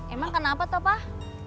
emang kenapa tuh pak